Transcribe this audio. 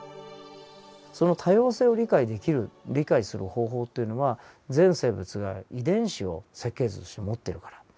その多様性を理解できる理解する方法というのは全生物が遺伝子を設計図として持ってるから。